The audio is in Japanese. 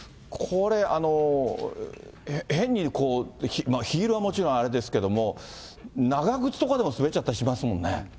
これ、変にこう、ヒールはもちろんあれですけども、長靴とかでも滑っちゃったりしますもんね。